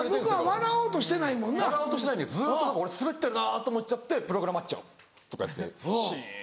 笑おうとしてないんでずっと俺スベってるなと思っちゃって「プログラマッチョ！」とかやってシン。